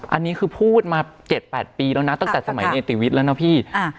อันนี้คือพูดมา๗๘ปีแล้วนะตั้งแต่สมัยเนติวิทย์แล้วนะพี่